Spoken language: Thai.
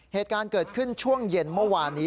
เหตุการณ์เกิดขึ้นช่วงเย็นเมื่อวานนี้